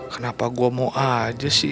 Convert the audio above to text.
kenapa gue mau aja sih